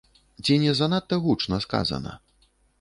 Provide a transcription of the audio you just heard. Ці не занадта гучна сказана?